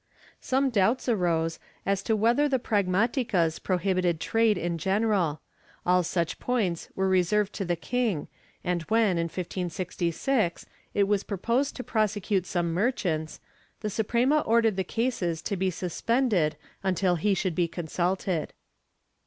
^ Some doubts arose as to whether the pragmaticas prohibited trade in general; all such points were reserved to the king and when, in 1566, it was proposed to prosecute some merchants, the Suprema ordered the cases to be suspended until he should be consulted.